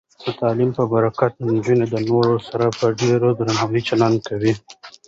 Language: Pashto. د تعلیم په برکت، نجونې د نورو سره په ډیر درناوي چلند کوي.